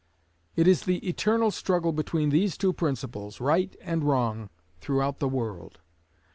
It is the eternal struggle between these two principles right and wrong throughout the world.